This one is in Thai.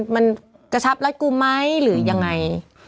มันกระชับรักกูมั๊ยหรืออย่างไร